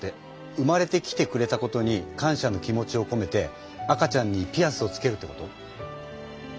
生まれてきてくれたことに感謝の気持ちをこめて赤ちゃんにピアスをつけるってこと？